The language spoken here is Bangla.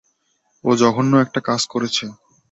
ও জঘন্য একটা কাজ করেছে।